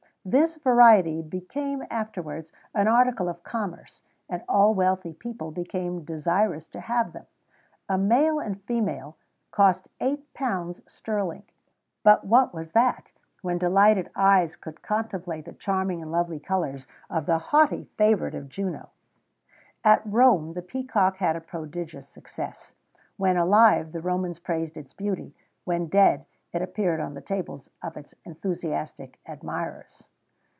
[XVII 121] This variety became afterwards an article of commerce, and all wealthy people became desirous to have them. A male and female cost £8 sterling.[XVII 122] But what was that, when delighted eyes could contemplate the charming and lovely colours of the haughty favourite of Juno! At Rome, the peacock had a prodigious success.[XVII 123] When alive, the Romans praised its beauty; when dead, it appeared on the tables of its enthusiastic admirers.